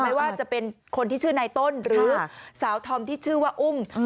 ไม่ว่าจะเป็นคนที่ชื่อนายต้นหรือสาวธอมที่ชื่อว่าอุ้ม